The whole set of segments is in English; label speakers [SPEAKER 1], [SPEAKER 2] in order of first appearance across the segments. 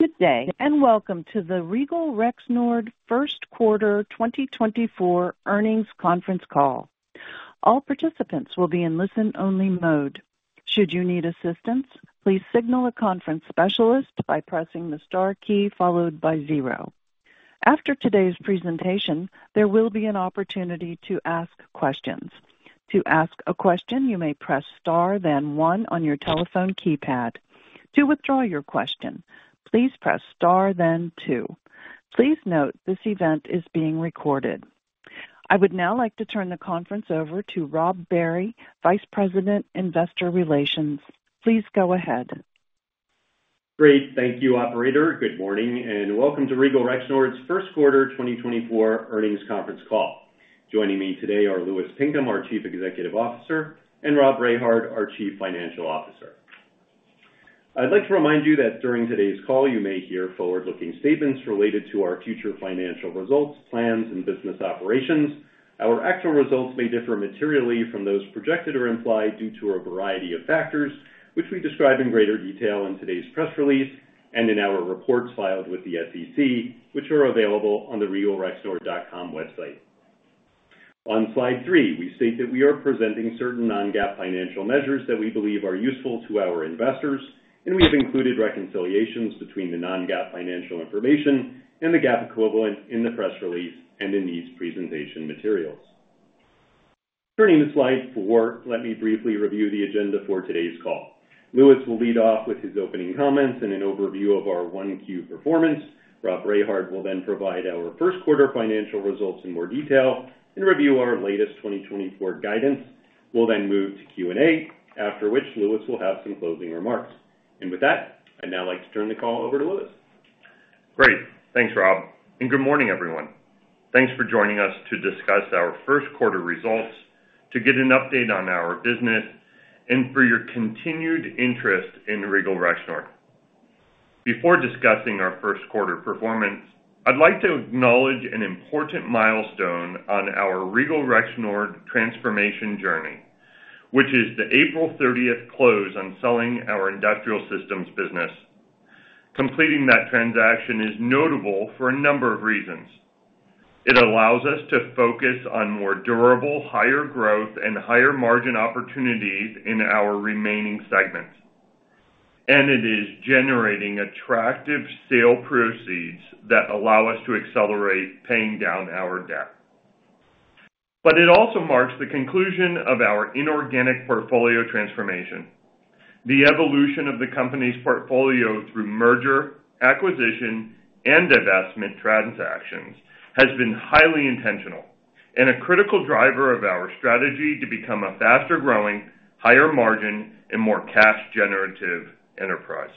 [SPEAKER 1] Good day, and welcome to the Regal Rexnord first quarter 2024 earnings conference call. All participants will be in listen-only mode. Should you need assistance, please signal a conference specialist by pressing the star key followed by zero. After today's presentation, there will be an opportunity to ask questions. To ask a question, you may press Star, then one on your telephone keypad. To withdraw your question, please press Star, then two. Please note, this event is being recorded. I would now like to turn the conference over to Rob Barry, Vice President, Investor Relations. Please go ahead.
[SPEAKER 2] Great. Thank you, operator. Good morning, and welcome to Regal Rexnord's first quarter 2024 earnings conference call. Joining me today are Louis Pinkham, our Chief Executive Officer, and Rob Rehard, our Chief Financial Officer. I'd like to remind you that during today's call, you may hear forward-looking statements related to our future financial results, plans, and business operations. Our actual results may differ materially from those projected or implied due to a variety of factors, which we describe in greater detail in today's press release and in our reports filed with the SEC, which are available on the regalrexnord.com website. On Slide 3, we state that we are presenting certain non-GAAP financial measures that we believe are useful to our investors, and we have included reconciliations between the non-GAAP financial information and the GAAP equivalent in the press release and in these presentation materials. Turning to Slide 4, let me briefly review the agenda for today's call. Louis will lead off with his opening comments and an overview of our 1Q performance. Rob Rehard will then provide our first quarter financial results in more detail and review our latest 2024 guidance. We'll then move to Q&A, after which Louis will have some closing remarks. With that, I'd now like to turn the call over to Louis.
[SPEAKER 3] Great. Thanks, Rob, and good morning, everyone. Thanks for joining us to discuss our first quarter results, to get an update on our business, and for your continued interest in Regal Rexnord. Before discussing our first quarter performance, I'd like to acknowledge an important milestone on our Regal Rexnord transformation journey, which is the April thirtieth close on selling our Industrial Systems business. Completing that transaction is notable for a number of reasons. It allows us to focus on more durable, higher growth, and higher margin opportunities in our remaining segments, and it is generating attractive sale proceeds that allow us to accelerate paying down our debt. But it also marks the conclusion of our inorganic portfolio transformation. The evolution of the company's portfolio through merger, acquisition, and divestment transactions has been highly intentional and a critical driver of our strategy to become a faster-growing, higher margin, and more cash-generative enterprise.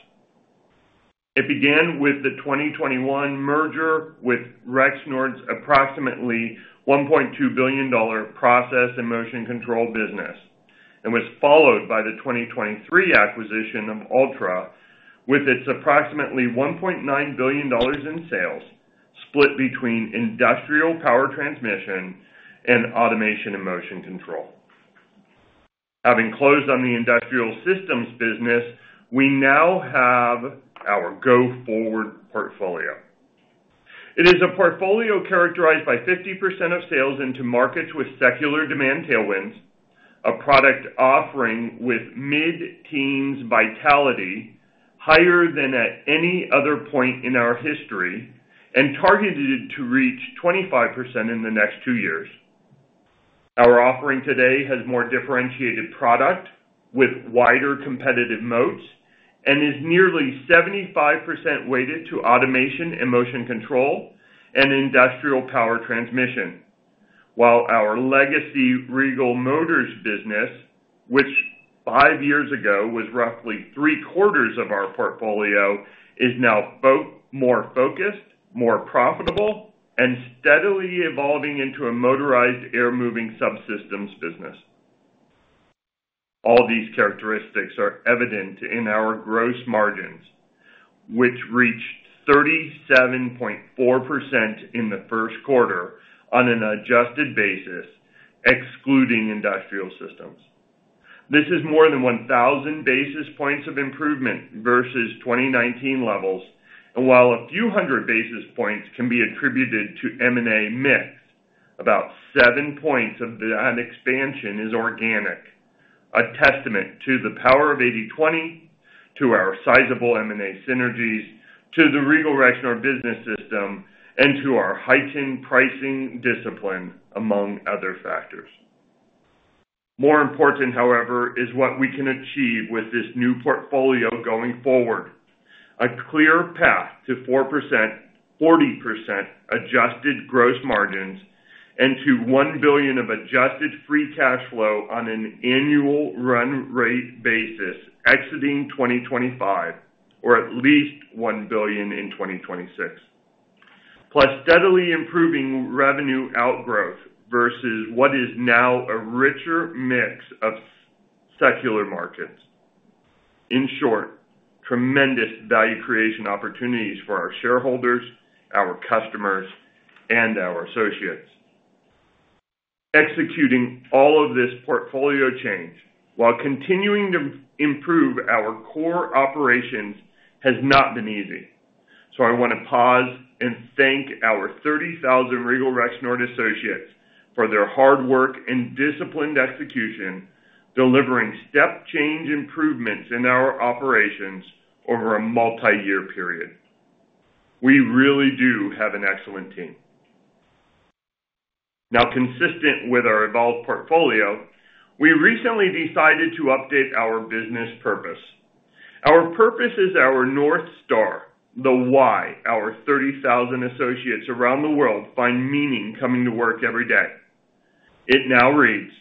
[SPEAKER 3] It began with the 2021 merger with Rexnord's approximately $1.2 billion Process and Motion Control business, and was followed by the 2023 acquisition of Altra, with its approximately $1.9 billion in sales, split between Industrial Power Transmission and Automation and Motion Control. Having closed on the Industrial Systems business, we now have our go-forward portfolio. It is a portfolio characterized by 50% of sales into markets with secular demand tailwinds, a product offering with mid-teens vitality, higher than at any other point in our history, and targeted to reach 25% in the next two years. Our offering today has more differentiated product with wider competitive moats and is nearly 75% weighted to Automation and Motion Control and Industrial power transmission. While our legacy Regal Motors business, which 5 years ago was roughly three-quarters of our portfolio, is now more focused, more profitable, and steadily evolving into a motorized air moving subsystems business. All these characteristics are evident in our gross margins, which reached 37.4% in the first quarter on an adjusted basis, excluding Industrial Systems. This is more than 1,000 basis points of improvement versus 2019 levels, and while a few hundred basis points can be attributed to M&A mix, about 7 points of that expansion is organic. A testament to the power of 80/20, to our sizable M&A synergies, to the Regal Rexnord Business System, and to our heightened pricing discipline, among other factors. More important, however, is what we can achieve with this new portfolio going forward. A clear path to 4%, 40% adjusted gross margins, and to $1 billion of adjusted free cash flow on an annual run-rate basis, exiting 2025, or at least $1 billion in 2026, plus steadily improving revenue outgrowth versus what is now a richer mix of secular markets. In short, tremendous value creation opportunities for our shareholders, our customers, and our associates… executing all of this portfolio change, while continuing to improve our core operations, has not been easy. So I want to pause and thank our 30,000 Regal Rexnord associates for their hard work and disciplined execution, delivering step change improvements in our operations over a multiyear period. We really do have an excellent team. Now, consistent with our evolved portfolio, we recently decided to update our business purpose. Our purpose is our North Star, the why our 30,000 associates around the world find meaning coming to work every day. It now reads: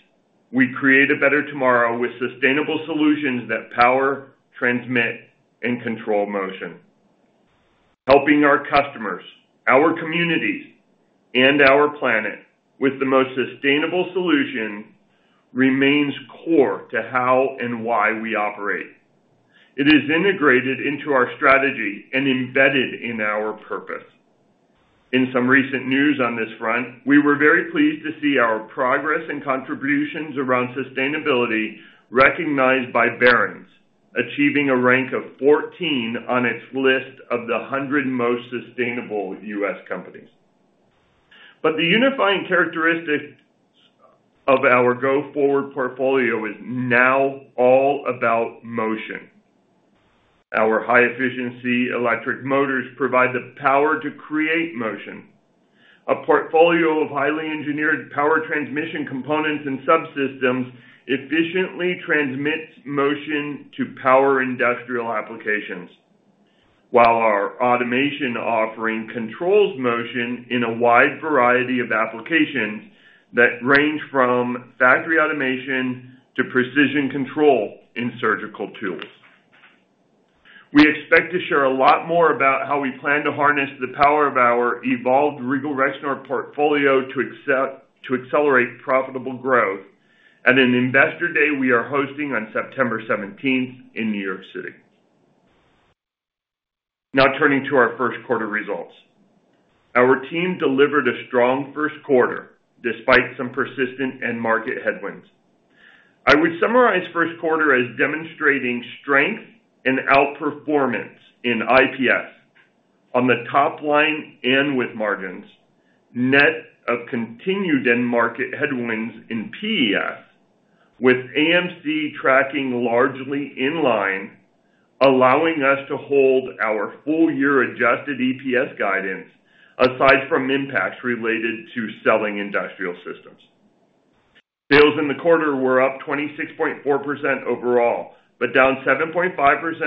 [SPEAKER 3] We create a better tomorrow with sustainable solutions that power, transmit, and control motion. Helping our customers, our communities, and our planet with the most sustainable solution remains core to how and why we operate. It is integrated into our strategy and embedded in our purpose. In some recent news on this front, we were very pleased to see our progress and contributions around sustainability recognized by Barron's, achieving a rank of 14 on its list of the 100 most sustainable U.S. companies. But the unifying characteristics of our go-forward portfolio is now all about motion. Our high-efficiency electric motors provide the power to create motion. A portfolio of highly engineered power transmission components and subsystems efficiently transmits motion to power Industrial applications, while our automation offering controls motion in a wide variety of applications that range from factory automation to precision control in surgical tools. We expect to share a lot more about how we plan to harness the power of our evolved Regal Rexnord portfolio to accelerate profitable growth at an investor day we are hosting on September seventeenth in New York City. Now turning to our first quarter results. Our team delivered a strong first quarter, despite some persistent end market headwinds. I would summarize first quarter as demonstrating strength and outperformance in IPS on the top line and with margins, net of continued end market headwinds in PES, with AMC tracking largely in line, allowing us to hold our full year adjusted EPS guidance, aside from impacts related to selling Industrial Systems. Sales in the quarter were up 26.4% overall, but down 7.5%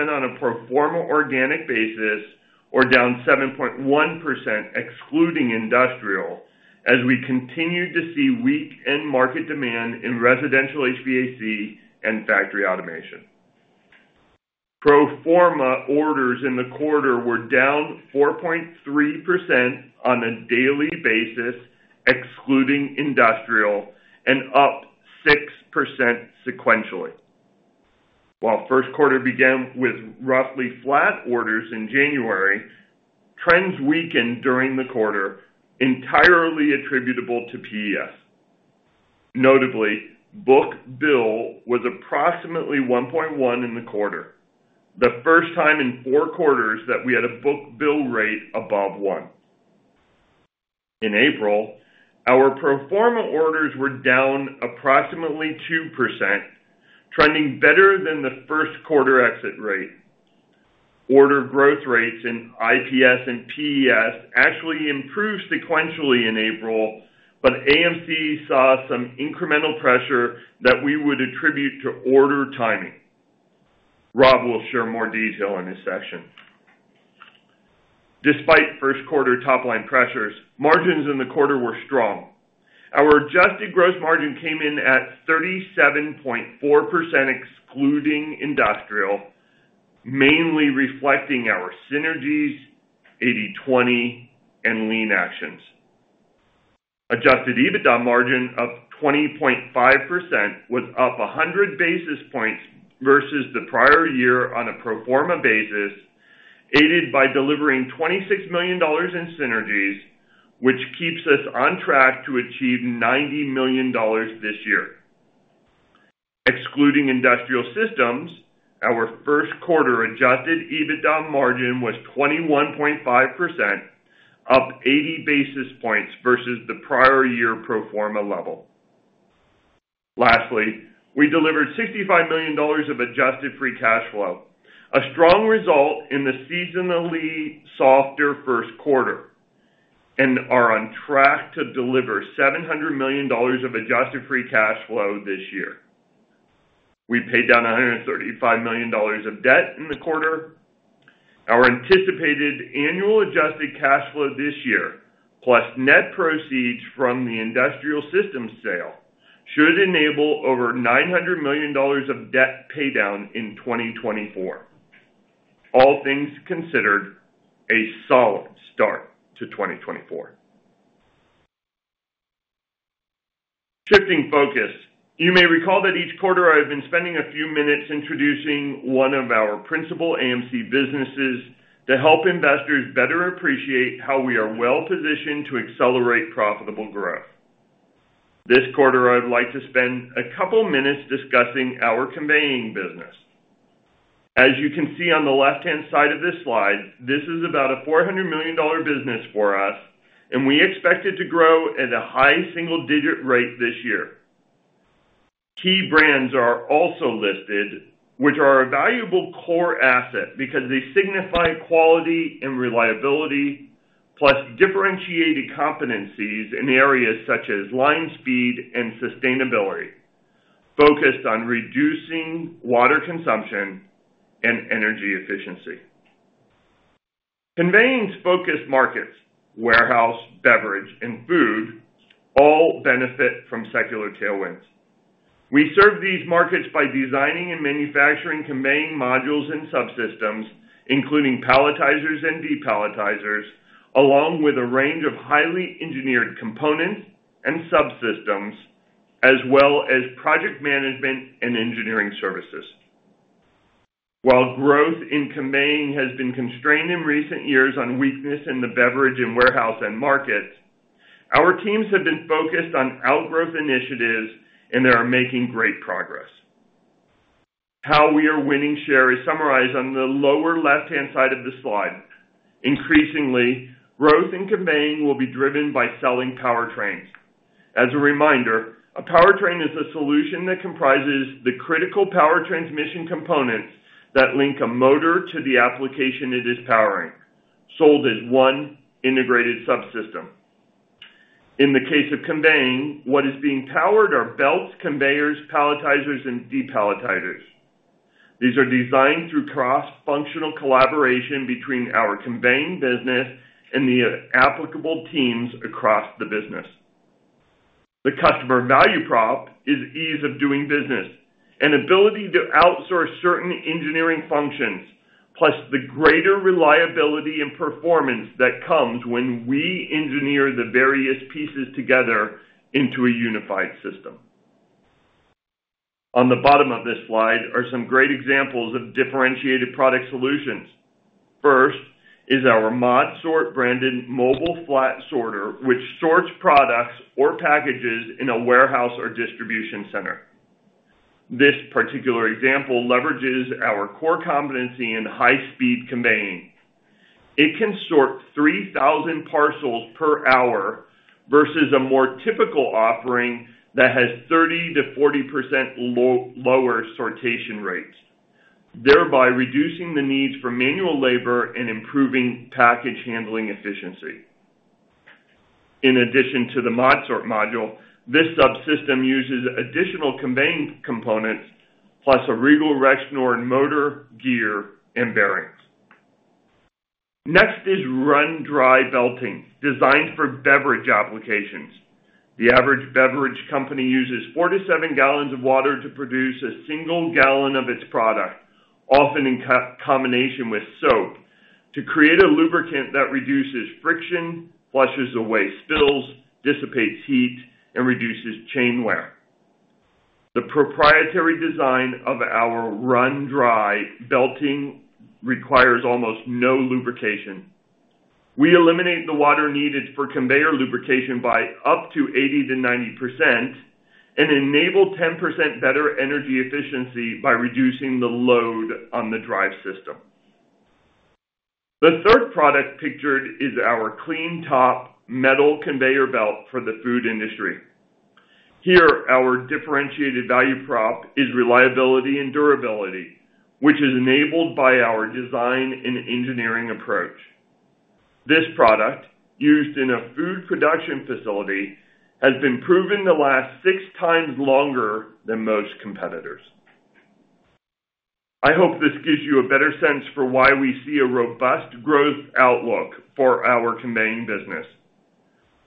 [SPEAKER 3] on a pro forma organic basis, or down 7.1%, excluding Industrial, as we continued to see weak end market demand in residential HVAC and factory automation. Pro forma orders in the quarter were down 4.3% on a daily basis, excluding Industrial, and up 6% sequentially. While first quarter began with roughly flat orders in January, trends weakened during the quarter, entirely attributable to PES. Notably, book-to-bill was approximately 1.1 in the quarter, the first time in 4 quarters that we had a book-to-bill rate above one. In April, our pro forma orders were down approximately 2%, trending better than the first quarter exit rate. Order growth rates in IPS and PES actually improved sequentially in April, but AMC saw some incremental pressure that we would attribute to order timing. Rob will share more detail in his session. Despite first quarter top line pressures, margins in the quarter were strong. Our adjusted gross margin came in at 37.4%, excluding Industrial, mainly reflecting our synergies, 80/20, and lean actions. Adjusted EBITDA margin of 20.5% was up 100 basis points versus the prior year on a pro forma basis, aided by delivering $26 million in synergies, which keeps us on track to achieve $90 million this year. Excluding Industrial Systems, our first quarter adjusted EBITDA margin was 21.5%, up 80 basis points versus the prior year pro forma level. Lastly, we delivered $65 million of Adjusted Free Cash Flow, a strong result in the seasonally softer first quarter, and are on track to deliver $700 million of Adjusted Free Cash Flow this year. We paid down $135 million of debt in the quarter. Our anticipated annual adjusted cash flow this year, plus net proceeds from the Industrial Systems sale, should enable over $900 million of debt paydown in 2024. All things considered, a solid start to 2024. Shifting focus. You may recall that each quarter, I've been spending a few minutes introducing one of our principal AMC businesses to help investors better appreciate how we are well-positioned to accelerate profitable growth. This quarter, I'd like to spend a couple minutes discussing our conveying business. As you can see on the left-hand side of this slide, this is about a $400 million business for us, and we expect it to grow at a high single-digit rate this year. Key brands are also listed, which are a valuable core asset because they signify quality and reliability, plus differentiated competencies in areas such as line speed and sustainability, focused on reducing water consumption and energy efficiency. Conveying's focused markets, warehouse, beverage, and food, all benefit from secular tailwinds. We serve these markets by designing and manufacturing conveying modules and subsystems, including palletizers and depalletizers, along with a range of highly engineered components and subsystems, as well as project management and engineering services. While growth in conveying has been constrained in recent years on weakness in the beverage and warehouse end markets, our teams have been focused on outgrowth initiatives, and they are making great progress. How we are winning share is summarized on the lower left-hand side of the slide. Increasingly, growth in conveying will be driven by selling powertrains. As a reminder, a powertrain is a solution that comprises the critical power transmission components that link a motor to the application it is powering, sold as one integrated subsystem. In the case of conveying, what is being powered are belts, conveyors, palletizers, and depalletizers. These are designed through cross-functional collaboration between our conveying business and the applicable teams across the business. The customer value prop is ease of doing business, and ability to outsource certain engineering functions, plus the greater reliability and performance that comes when we engineer the various pieces together into a unified system. On the bottom of this slide are some great examples of differentiated product solutions. First is our ModSort branded mobile flat sorter, which sorts products or packages in a warehouse or distribution center. This particular example leverages our core competency in high-speed conveying. It can sort 3,000 parcels per hour, versus a more typical offering that has 30%-40% lower sortation rates, thereby reducing the needs for manual labor and improving package handling efficiency. In addition to the ModSort module, this subsystem uses additional conveying components, plus a Regal Rexnord motor, gear, and bearings. Next is RunDry Belting, designed for beverage applications. The average beverage company uses 4-7 gallons of water to produce a single gallon of its product, often in combination with soap, to create a lubricant that reduces friction, flushes away spills, dissipates heat, and reduces chain wear. The proprietary design of our RunDry Belting requires almost no lubrication. We eliminate the water needed for conveyor lubrication by up to 80%-90%, and enable 10% better energy efficiency by reducing the load on the drive system. The third product pictured is our KleanTop metal conveyor belt for the food industry. Here, our differentiated value prop is reliability and durability, which is enabled by our design and engineering approach. This product, used in a food production facility, has been proven to last six times longer than most competitors. I hope this gives you a better sense for why we see a robust growth outlook for our conveying business.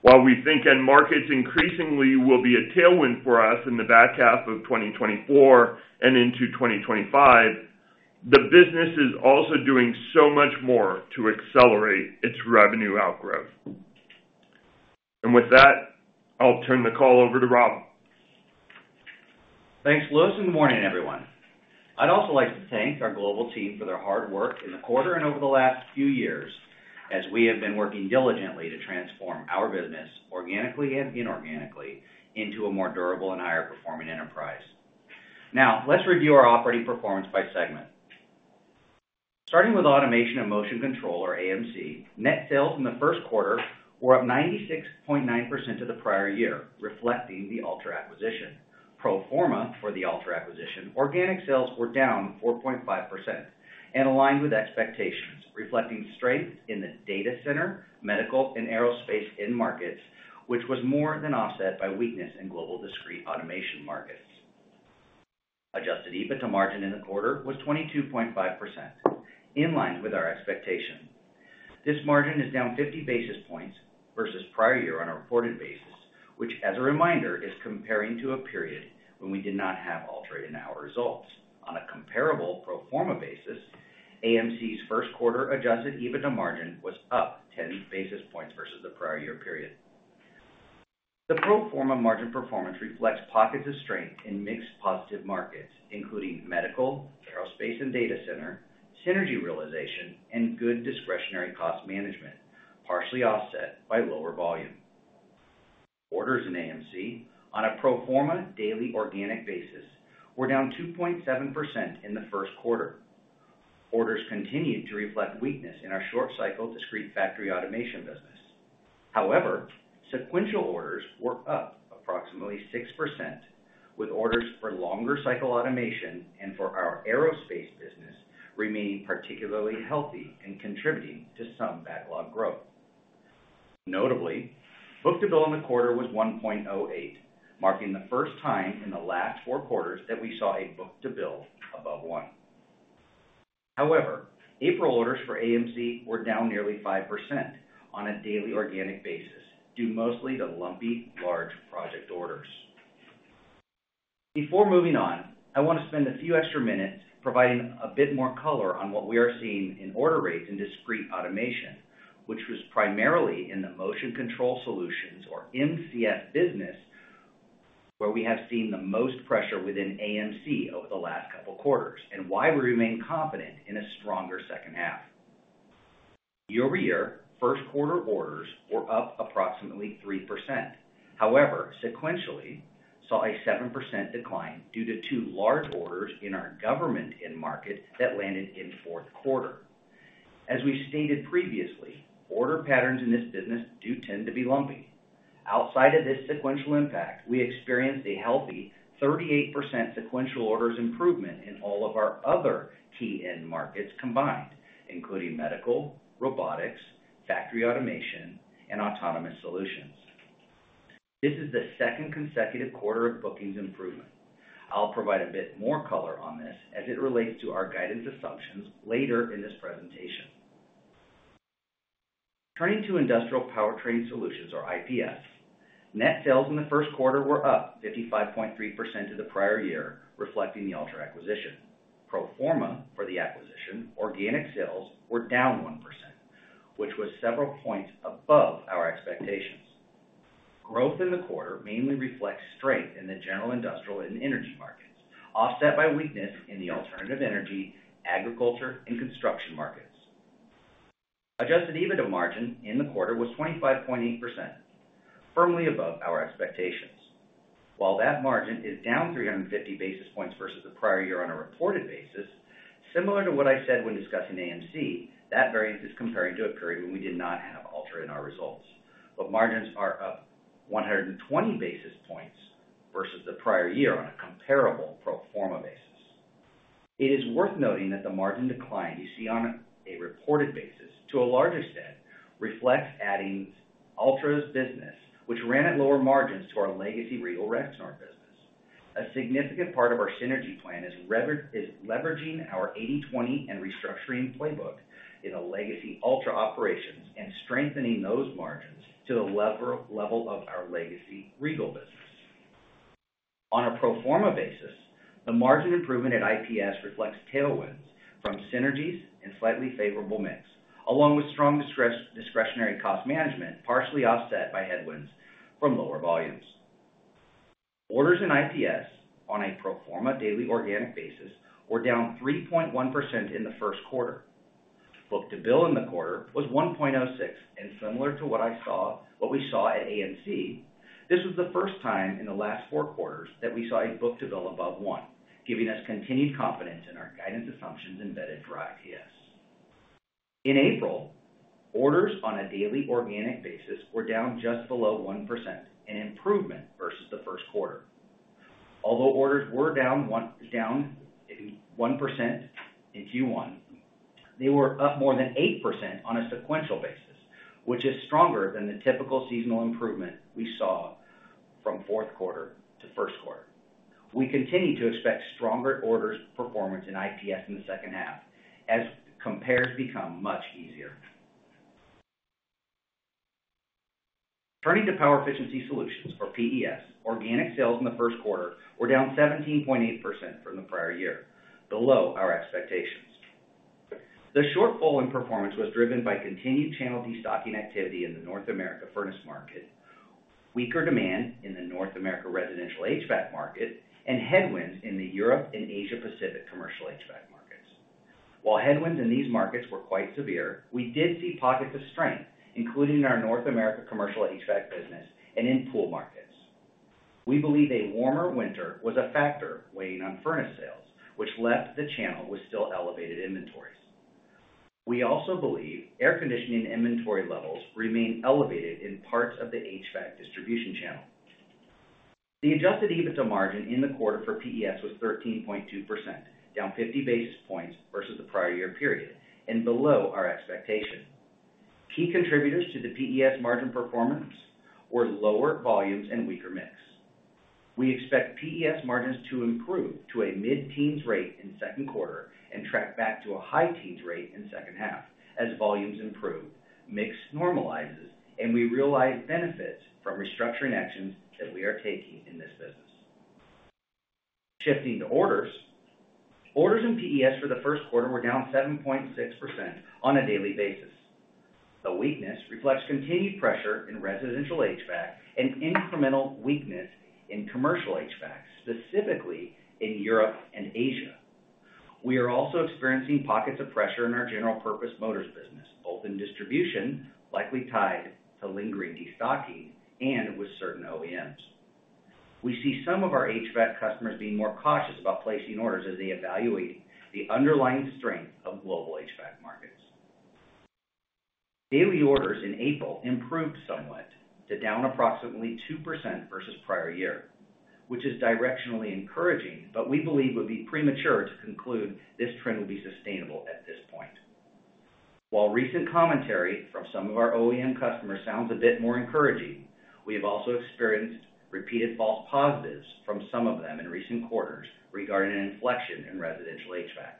[SPEAKER 3] While we think end markets increasingly will be a tailwind for us in the back half of 2024 and into 2025, the business is also doing so much more to accelerate its revenue outgrowth. And with that, I'll turn the call over to Rob.
[SPEAKER 4] Thanks, Louis, and good morning, everyone. I'd also like to thank our global team for their hard work in the quarter and over the last few years, as we have been working diligently to transform our business, organically and inorganically, into a more durable and higher performing enterprise. Now, let's review our operating performance by segment. Starting with Automation and Motion Control, or AMC, net sales in the first quarter were up 96.9% to the prior year, reflecting the Altra acquisition. Pro forma for the Altra acquisition, organic sales were down 4.5% and aligned with expectations, reflecting strength in the data center, medical, and aerospace end markets, which was more than offset by weakness in global discrete automation markets. Adjusted EBITDA margin in the quarter was 22.5%, in line with our expectation. This margin is down 50 basis points versus prior year on a reported basis, which, as a reminder, is comparing to a period when we did not have Altra in our results. On a comparable pro forma basis, AMC's first quarter Adjusted EBITDA margin was up 10 basis points versus the prior year period. The pro forma margin performance reflects pockets of strength in mixed positive markets, including medical, aerospace, and data center, synergy realization, and good discretionary cost management, partially offset by lower volume. Orders in AMC on a pro forma daily organic basis were down 2.7% in the first quarter. Orders continued to reflect weakness in our short cycle, discrete factory automation business. However, sequential orders were up approximately 6%, with orders for longer cycle automation and for our aerospace business remaining particularly healthy and contributing to some backlog growth. Notably, book-to-bill in the quarter was 1.08, marking the first time in the last four quarters that we saw a book-to-bill above one. However, April orders for AMC were down nearly 5% on a daily organic basis, due mostly to lumpy, large project orders. Before moving on, I want to spend a few extra minutes providing a bit more color on what we are seeing in order rates in discrete automation, which was primarily in the Motion Control Solutions or MCS business, where we have seen the most pressure within AMC over the last couple quarters, and why we remain confident in a stronger second half. Year-over-year, first quarter orders were up approximately 3%. However, sequentially, saw a 7% decline due to two large orders in our government end market that landed in fourth quarter. As we stated previously, order patterns in this business do tend to be lumpy. Outside of this sequential impact, we experienced a healthy 38% sequential orders improvement in all of our other key end markets combined, including medical, robotics, factory automation, and autonomous solutions. This is the second consecutive quarter of bookings improvement. I'll provide a bit more color on this as it relates to our guidance assumptions later in this presentation. Turning to Industrial Powertrain Solutions, or IPS. Net sales in the first quarter were up 55.3% to the prior year, reflecting the Altra acquisition. Pro forma for the acquisition, organic sales were down 1%, which was several points above our expectations. Growth in the quarter mainly reflects strength in the general Industrial and energy markets, offset by weakness in the alternative energy, agriculture, and construction markets. Adjusted EBITDA margin in the quarter was 25.8%, firmly above our expectations. While that margin is down 350 basis points versus the prior year on a reported basis, similar to what I said when discussing AMC, that variance is comparing to a period when we did not have Altra in our results. But margins are up 120 basis points versus the prior year on a comparable pro forma basis. It is worth noting that the margin decline you see on a reported basis, to a larger extent, reflects adding Altra's business, which ran at lower margins to our legacy Regal Rexnord business. A significant part of our synergy plan is leveraging our 80/20 and restructuring playbook in legacy Altra operations, and strengthening those margins to the level of our legacy Regal business. On a pro forma basis, the margin improvement at IPS reflects tailwinds from synergies and slightly favorable mix, along with strong discretionary cost management, partially offset by headwinds from lower volumes. Orders in IPS on a pro forma daily organic basis were down 3.1% in the first quarter. Book-to-bill in the quarter was 1.06, and similar to what we saw at AMC, this was the first time in the last 4 quarters that we saw a book-to-bill above 1, giving us continued confidence in our guidance assumptions embedded for IPS. In April, orders on a daily organic basis were down just below 1%, an improvement versus the first quarter. Although orders were down 1% in Q1, they were up more than 8% on a sequential basis, which is stronger than the typical seasonal improvement we saw from fourth quarter to first quarter. We continue to expect stronger orders performance in IPS in the second half, as comps become much easier. Turning to Power Efficiency Solutions, or PES, organic sales in the first quarter were down 17.8% from the prior year, below our expectations. The shortfall in performance was driven by continued channel destocking activity in the North America furnace market, weaker demand in the North America residential HVAC market, and headwinds in the Europe and Asia Pacific commercial HVAC markets. While headwinds in these markets were quite severe, we did see pockets of strength, including in our North America commercial HVAC business and in pool markets. We believe a warmer winter was a factor weighing on furnace sales, which left the channel with still elevated inventories. We also believe air conditioning inventory levels remain elevated in parts of the HVAC distribution channel. The adjusted EBITDA margin in the quarter for PES was 13.2%, down 50 basis points versus the prior year period, and below our expectation. Key contributors to the PES margin performance were lower volumes and weaker mix. We expect PES margins to improve to a mid-teens rate in second quarter and track back to a high teens rate in second half, as volumes improve, mix normalizes, and we realize benefits from restructuring actions that we are taking in this business. Shifting to orders. Orders in PES for the first quarter were down 7.6% on a daily basis. The weakness reflects continued pressure in residential HVAC and incremental weakness in commercial HVAC, specifically in Europe and Asia. We are also experiencing pockets of pressure in our general purpose motors business, both in distribution, likely tied to lingering destocking and with certain OEMs. We see some of our HVAC customers being more cautious about placing orders as they evaluate the underlying strength of global HVAC markets. Daily orders in April improved somewhat to down approximately 2% versus prior year, which is directionally encouraging, but we believe would be premature to conclude this trend will be sustainable at this point. While recent commentary from some of our OEM customers sounds a bit more encouraging, we have also experienced repeated false positives from some of them in recent quarters regarding an inflection in residential HVAC.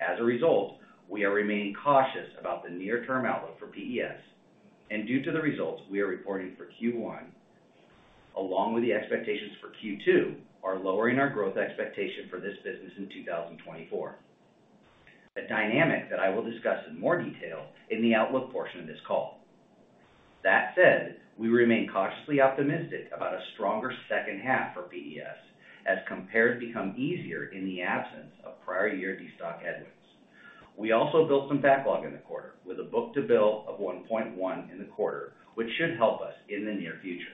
[SPEAKER 4] As a result, we are remaining cautious about the near-term outlook for PES, and due to the results we are reporting for Q1, along with the expectations for Q2, are lowering our growth expectation for this business in 2024. A dynamic that I will discuss in more detail in the outlook portion of this call. That said, we remain cautiously optimistic about a stronger second half for PES as comps become easier in the absence of prior year destock headwinds. We also built some backlog in the quarter with a book-to-bill of 1.1 in the quarter, which should help us in the near future.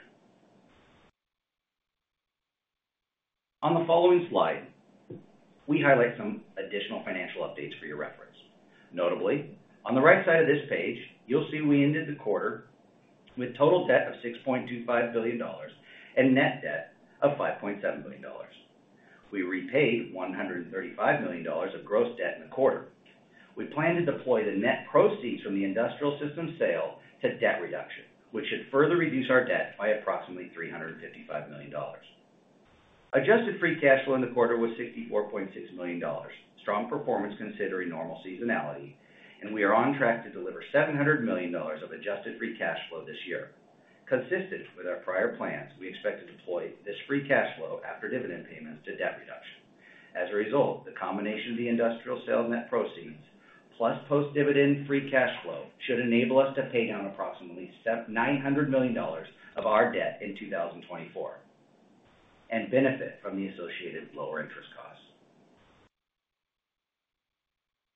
[SPEAKER 4] On the following slide, we highlight some additional financial updates for your reference. Notably, on the right side of this page, you'll see we ended the quarter with total debt of $6.25 billion and net debt of $5.7 billion. We repaid $135 million of gross debt in the quarter. We plan to deploy the net proceeds from the Industrial Systems sale to debt reduction, which should further reduce our debt by approximately $355 million. Adjusted free cash flow in the quarter was $64.6 million. Strong performance considering normal seasonality, and we are on track to deliver $700 million of adjusted free cash flow this year. Consistent with our prior plans, we expect to deploy this free cash flow after dividend payments to debt reduction. As a result, the combination of the Industrial sales net proceeds plus post-dividend free cash flow should enable us to pay down approximately $900 million of our debt in 2024, and benefit from the associated lower interest costs.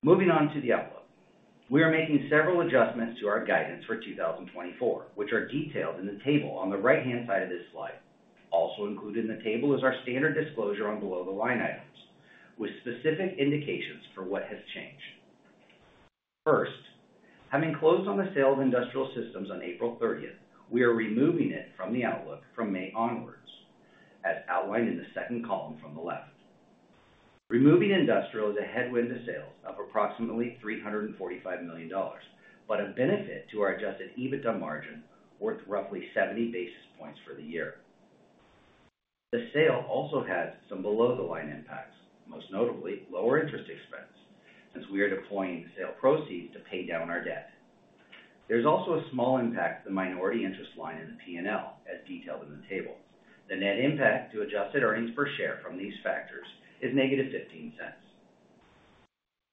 [SPEAKER 4] Moving on to the outlook. We are making several adjustments to our guidance for 2024, which are detailed in the table on the right-hand side of this slide. Also included in the table is our standard disclosure on below-the-line items, with specific indications for what has changed. First, having closed on the sale of Industrial Systems on April 30th, we are removing it from the outlook from May onwards, as outlined in the second column from the left. Industrial Systems is a headwind to sales of approximately $345 million, but a benefit to our adjusted EBITDA margin worth roughly 70 basis points for the year. The sale also has some below-the-line impacts, most notably lower interest expense, since we are deploying the sale proceeds to pay down our debt. There's also a small impact to the minority interest line in the P&L, as detailed in the table. The net impact to adjusted earnings per share from these factors is -$0.15.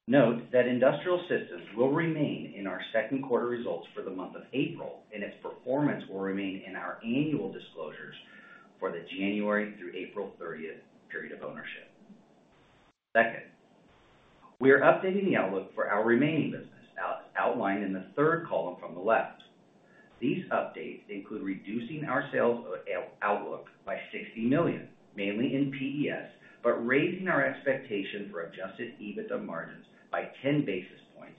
[SPEAKER 4] Note that Industrial Systems will remain in our second quarter results for the month of April, and its performance will remain in our annual disclosures for the January through April 30 period of ownership. Second, we are updating the outlook for our remaining business, outlined in the third column from the left. These updates include reducing our sales outlook by $60 million, mainly in PES, but raising our expectation for adjusted EBITDA margins by 10 basis points,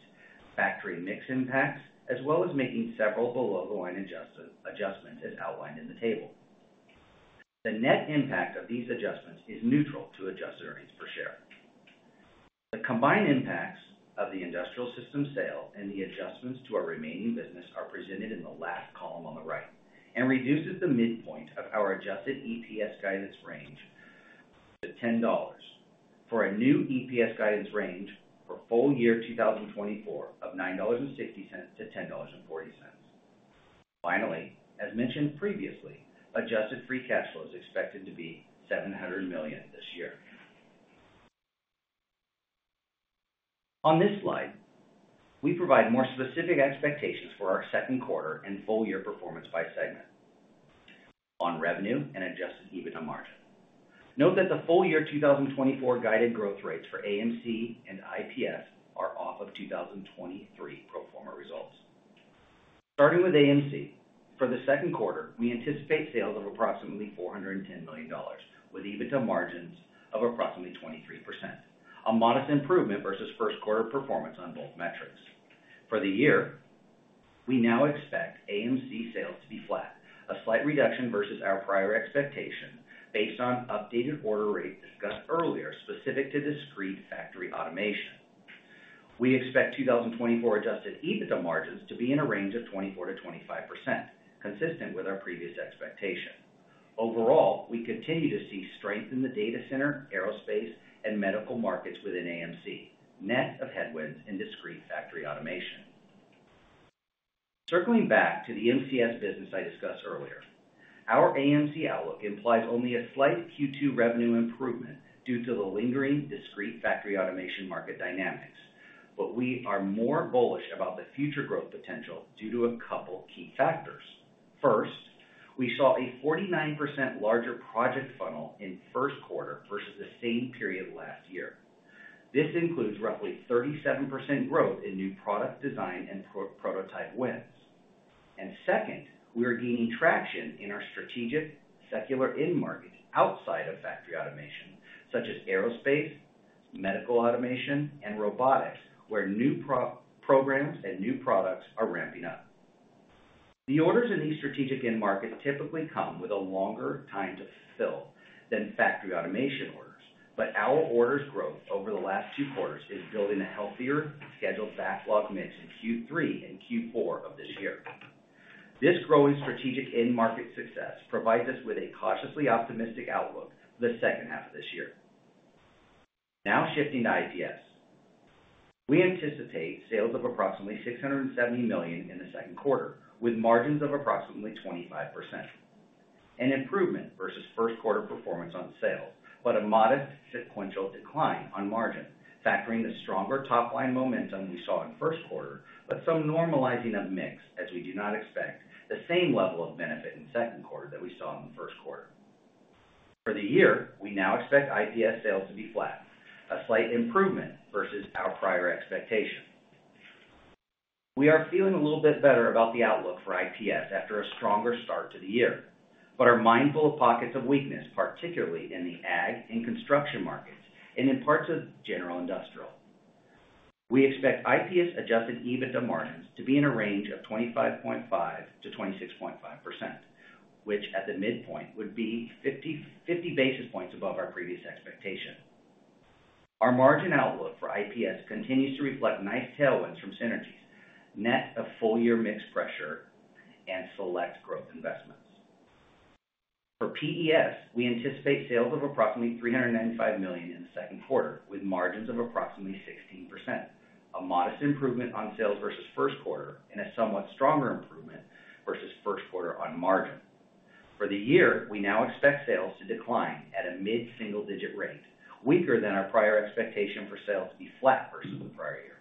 [SPEAKER 4] factory mix impacts, as well as making several below-the-line adjustments as outlined in the table. The net impact of these adjustments is neutral to adjusted earnings per share. The combined impacts of the Industrial Systems sale and the adjustments to our remaining business are presented in the last column on the right, and reduces the midpoint of our adjusted EPS guidance range to $10 for a new EPS guidance range for full year 2024 of $9.60-$10.40. Finally, as mentioned previously, adjusted free cash flow is expected to be $700 million this year. On this slide, we provide more specific expectations for our second quarter and full year performance by segment on revenue and adjusted EBITDA margin. Note that the full year 2024 guided growth rates for AMC and IPS are off of 2023 pro forma results. Starting with AMC, for the second quarter, we anticipate sales of approximately $410 million, with EBITDA margins of approximately 23%, a modest improvement versus first quarter performance on both metrics. For the year, we now expect AMC sales to be flat, a slight reduction versus our prior expectation based on updated order rates discussed earlier, specific to discrete factory automation. We expect 2024 adjusted EBITDA margins to be in a range of 24%-25%, consistent with our previous expectation. Overall, we continue to see strength in the data center, aerospace, and medical markets within AMC, net of headwinds in discrete factory automation. Circling back to the MCS business I discussed earlier, our AMC outlook implies only a slight Q2 revenue improvement due to the lingering discrete factory automation market dynamics. But we are more bullish about the future growth potential due to a couple key factors. First, we saw a 49% larger project funnel in first quarter versus the same period last year. This includes roughly 37% growth in new product design and prototype wins. And second, we are gaining traction in our strategic secular end market outside of factory automation, such as aerospace, medical automation, and robotics, where new programs and new products are ramping up. The orders in these strategic end markets typically come with a longer time to fill than factory automation orders, but our orders growth over the last two quarters is building a healthier scheduled backlog mix in Q3 and Q4 of this year. This growing strategic end market success provides us with a cautiously optimistic outlook the second half of this year. Now shifting to IPS. We anticipate sales of approximately $670 million in the second quarter, with margins of approximately 25%. An improvement versus first quarter performance on sales, but a modest sequential decline on margin, factoring the stronger top line momentum we saw in first quarter, but some normalizing of mix, as we do not expect the same level of benefit in second quarter that we saw in the first quarter. For the year, we now expect IPS sales to be flat, a slight improvement versus our prior expectation. We are feeling a little bit better about the outlook for IPS after a stronger start to the year, but are mindful of pockets of weakness, particularly in the ag and construction markets and in parts of general Industrial. We expect IPS adjusted EBITDA margins to be in a range of 25.5%-26.5%, which at the midpoint would be 50 basis points above our previous expectation. Our margin outlook for IPS continues to reflect nice tailwinds from synergies, net of full year mix pressure and select growth investments. For PES, we anticipate sales of approximately $395 million in the second quarter, with margins of approximately 16%, a modest improvement on sales versus first quarter, and a somewhat stronger improvement versus first quarter on margin. For the year, we now expect sales to decline at a mid-single digit rate, weaker than our prior expectation for sales to be flat versus the prior year.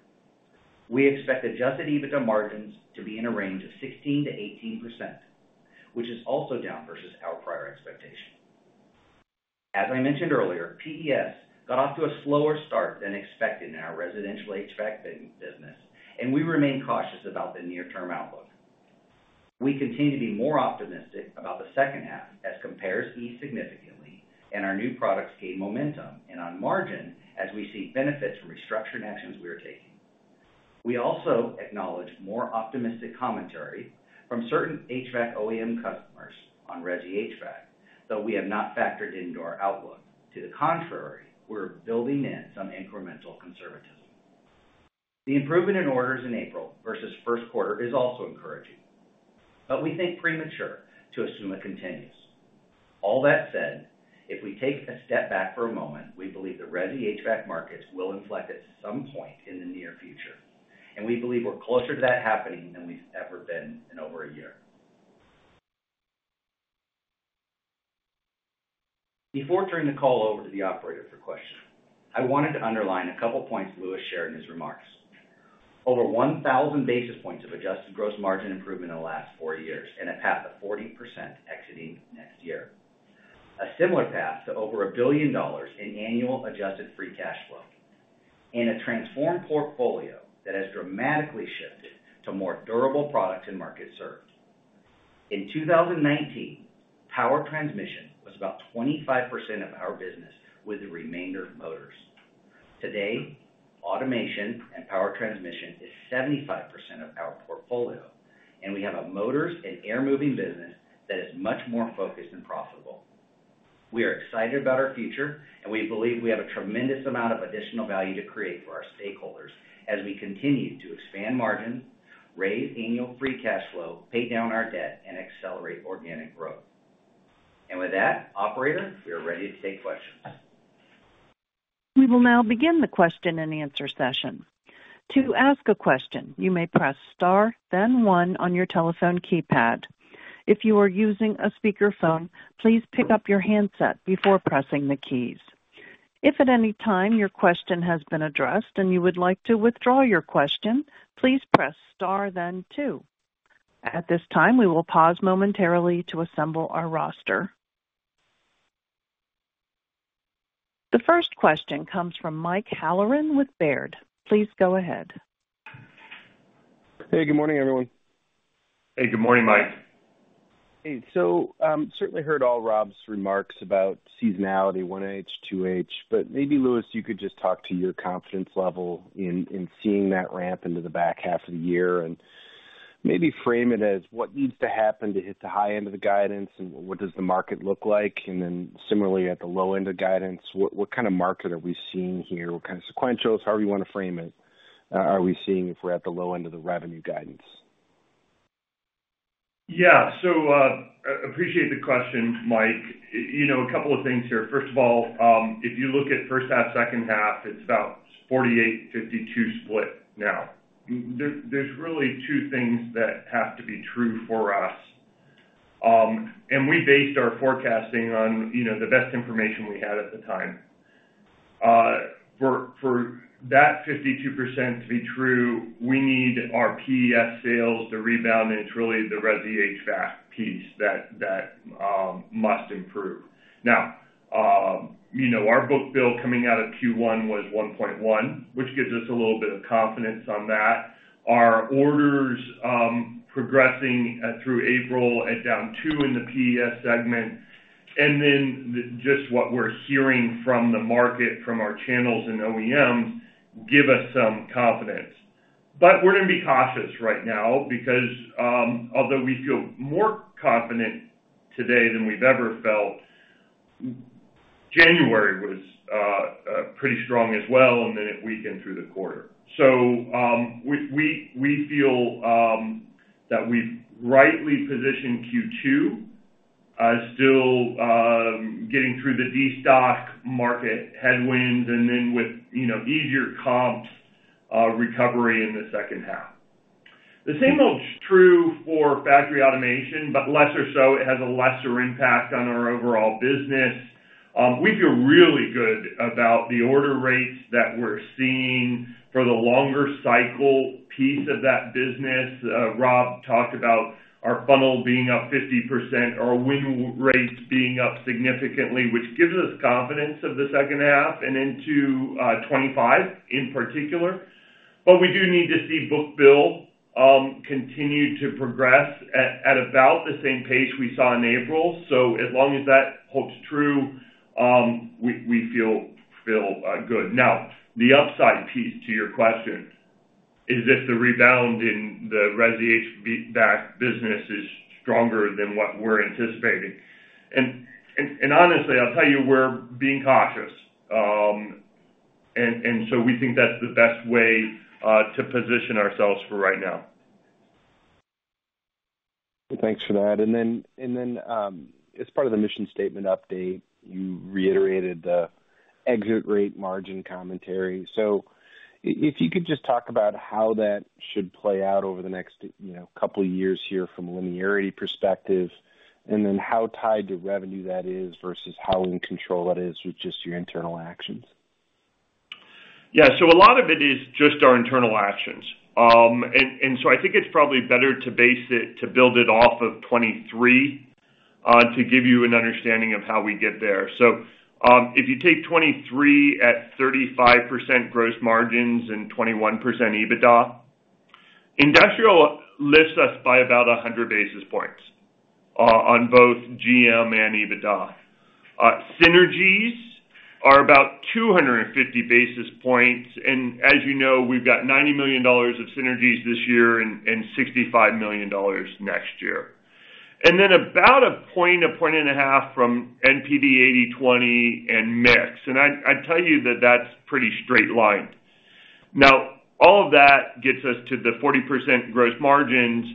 [SPEAKER 4] We expect adjusted EBITDA margins to be in a range of 16%-18%, which is also down versus our prior expectation. As I mentioned earlier, PES got off to a slower start than expected in our residential HVAC business, and we remain cautious about the near-term outlook. We continue to be more optimistic about the second half as comps ease significantly and our new products gain momentum and on margin as we see benefits from restructuring actions we are taking. We also acknowledge more optimistic commentary from certain HVAC OEM customers on resi HVAC, though we have not factored into our outlook. To the contrary, we're building in some incremental conservatism. The improvement in orders in April versus first quarter is also encouraging, but we think premature to assume it continues. All that said, if we take a step back for a moment, we believe the resi HVAC markets will inflect at some point in the near future, and we believe we're closer to that happening than we've ever been in over a year. Before turning the call over to the operator for questions, I wanted to underline a couple points Louis shared in his remarks. Over 1,000 basis points of adjusted gross margin improvement in the last four years, and a path of 40% exiting next year. A similar path to over $1 billion in annual Adjusted Free Cash Flow, and a transformed portfolio that has dramatically shifted to more durable products and markets served. In 2019, power transmission was about 25% of our business, with the remainder motors. Today, automation and power transmission is 75% of our portfolio, and we have a motors and air moving business that is much more focused and profitable. We are excited about our future, and we believe we have a tremendous amount of additional value to create for our stakeholders as we continue to expand margin, raise annual free cash flow, pay down our debt, and accelerate organic growth. And with that, operator, we are ready to take questions.
[SPEAKER 1] We will now begin the question-and-answer session. To ask a question, you may press star, then one on your telephone keypad. If you are using a speakerphone, please pick up your handset before pressing the keys. If at any time your question has been addressed and you would like to withdraw your question, please press star, then two. At this time, we will pause momentarily to assemble our roster. The first question comes from Mike Halloran with Baird. Please go ahead.
[SPEAKER 5] Hey, good morning, everyone.
[SPEAKER 3] Hey, good morning, Mike.
[SPEAKER 5] Hey, so, certainly heard all Rob's remarks about seasonality, 1H, 2H, but maybe, Louis, you could just talk to your confidence level in, in seeing that ramp into the back half of the year, and maybe frame it as what needs to happen to hit the high end of the guidance, and what does the market look like? Then similarly, at the low end of guidance, what, what kind of market are we seeing here? What kind of sequential, however you want to frame it, are we seeing if we're at the low end of the revenue guidance?...
[SPEAKER 3] Yeah. So, I appreciate the question, Mike. You know, a couple of things here. First of all, if you look at first half, second half, it's about 48, 52 split now. There's really two things that have to be true for us, and we based our forecasting on, you know, the best information we had at the time. For, for that 52% to be true, we need our PES sales to rebound, and it's really the res HVAC piece that, that, must improve. Now, you know, our book-to-bill coming out of Q1 was 1.1, which gives us a little bit of confidence on that. Our orders, progressing, through April at down 2 in the PES segment, and then just what we're hearing from the market, from our channels and OEMs, give us some confidence. But we're gonna be cautious right now because, although we feel more confident today than we've ever felt, January was pretty strong as well, and then it weakened through the quarter. So, we feel that we've rightly positioned Q2, still getting through the destock market headwinds and then with, you know, easier comps, recovery in the second half. The same holds true for factory automation, but lesser so, it has a lesser impact on our overall business. We feel really good about the order rates that we're seeing for the longer cycle piece of that business. Rob talked about our funnel being up 50%, our win rates being up significantly, which gives us confidence of the second half and into 2025 in particular. But we do need to see book-to-bill continue to progress at about the same pace we saw in April. So as long as that holds true, we feel good. Now, the upside piece to your question is if the rebound in the residential HVAC backlog business is stronger than what we're anticipating. And honestly, I'll tell you, we're being cautious. And so we think that's the best way to position ourselves for right now.
[SPEAKER 5] Thanks for that. And then, as part of the mission statement update, you reiterated the exit rate margin commentary. So if you could just talk about how that should play out over the next, you know, couple of years here from a linearity perspective, and then how tied to revenue that is versus how in control that is with just your internal actions.
[SPEAKER 3] Yeah, so a lot of it is just our internal actions. And so I think it's probably better to base it, to build it off of 2023, to give you an understanding of how we get there. So, if you take 2023 at 35% gross margins and 21% EBITDA, Industrial lifts us by about 100 basis points, on both GM and EBITDA. Synergies are about 250 basis points, and as you know, we've got $90 million of synergies this year and sixty-five million next year. And then about a point, a point and a half from NPD 80/20 and mix, and I, I'd tell you that that's pretty straight line. Now, all of that gets us to the 40% gross margins,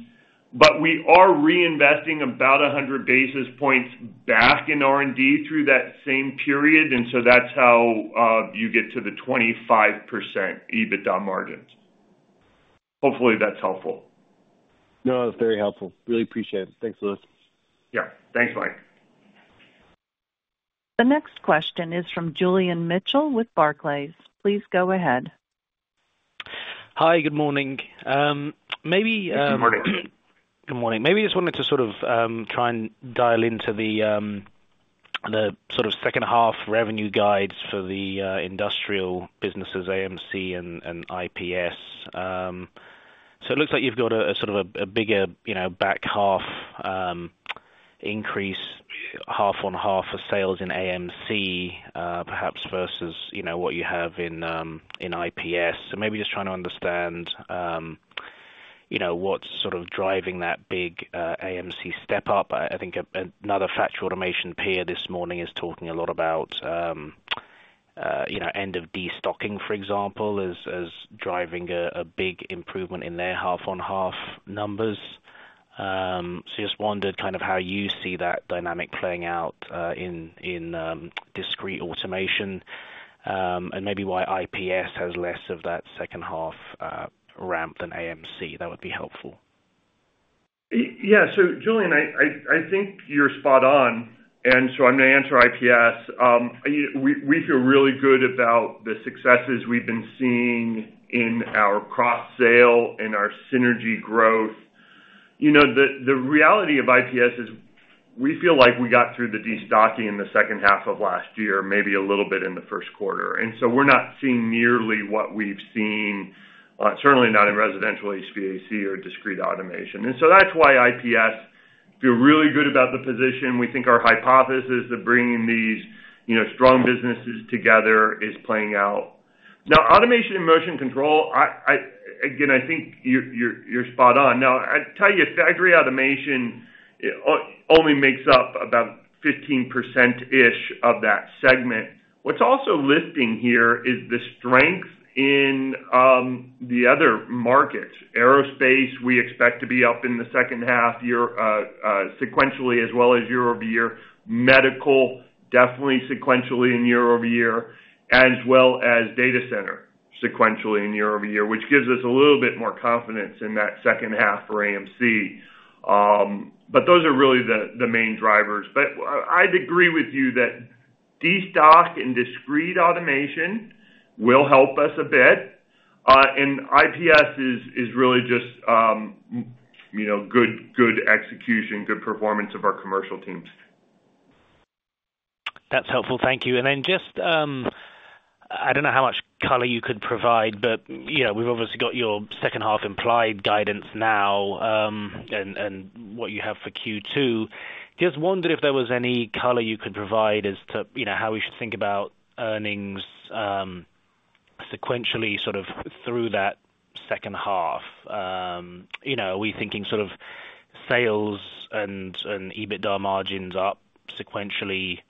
[SPEAKER 3] but we are reinvesting about 100 basis points back in R&D through that same period, and so that's how you get to the 25% EBITDA margins. Hopefully, that's helpful.
[SPEAKER 5] No, that's very helpful. Really appreciate it. Thanks, Louis.
[SPEAKER 3] Yeah. Thanks, Mike.
[SPEAKER 1] The next question is from Julian Mitchell with Barclays. Please go ahead.
[SPEAKER 6] Hi, good morning.
[SPEAKER 3] Good morning.
[SPEAKER 6] Good morning. Maybe just wanted to sort of, try and dial into the, the sort of second half revenue guidance for the, Industrial businesses, AMC and, and IPS. So it looks like you've got a sort of a bigger, you know, back half, increase, half-on-half of sales in AMC, perhaps versus, you know, what you have in, in IPS. So maybe just trying to understand, you know, what's sort of driving that big, AMC step up. I think another factory automation peer this morning is talking a lot about, you know, end of destocking, for example, as driving a big improvement in their half-on-half numbers. So just wondered kind of how you see that dynamic playing out in discrete automation, and maybe why IPS has less of that second half ramp than AMC. That would be helpful.
[SPEAKER 3] Yeah. So Julian, I think you're spot on, and so I'm gonna answer IPS. We feel really good about the successes we've been seeing in our cross-sell and our synergy growth. You know, the reality of IPS is we feel like we got through the destocking in the second half of last year, maybe a little bit in the first quarter, and so we're not seeing nearly what we've seen, certainly not in residential HVAC or discrete automation. And so that's why IPS feel really good about the position. We think our hypothesis of bringing these, you know, strong businesses together is playing out. Now, Automation and Motion Control, I again think you're spot on. Now, I tell you, factory automation only makes up about 15%-ish of that segment. What's also lifting here is the strength in the other markets. Aerospace, we expect to be up in the second half year sequentially, as well as year-over-year. Medical, definitely sequentially and year-over-year, as well as data center, sequentially and year-over-year, which gives us a little bit more confidence in that second half for AMC. But those are really the main drivers. But I'd agree with you that destock and discrete automation will help us a bit, and IPS is really just you know, good, good execution, good performance of our commercial teams.
[SPEAKER 6] That's helpful. Thank you. And then just, I don't know how much color you could provide, but, you know, we've obviously got your second half implied guidance now, and, and what you have for Q2. Just wondered if there was any color you could provide as to, you know, how we should think about earnings, sequentially, sort of through that second half. You know, are we thinking sort of sales and, and EBITDA margins up sequentially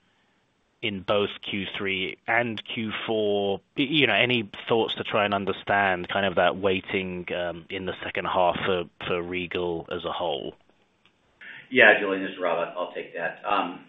[SPEAKER 6] in both Q3 and Q4? You know, any thoughts to try and understand kind of that weighting, in the second half for, for Regal as a whole?
[SPEAKER 4] Yeah, Julian, this is Rob. I'll take that.